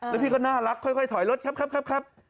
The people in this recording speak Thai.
แล้วพี่ก็น่ารักค่อยถอยรถครับ